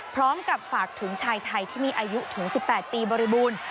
พร้อมกับฝากถึงชายไทยที่มีอายุถึง๑๘ปีบริบูรณ์